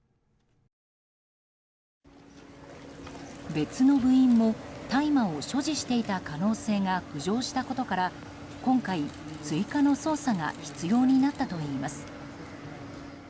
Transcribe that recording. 別の部員も大麻を所持していた可能性が浮上したことから今回、追加の捜査が必要になったといいます。